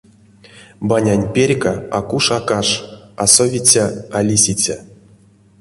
Банянть перька а куш, а каш — а совиця, а лисиця.